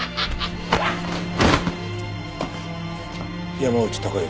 山内貴之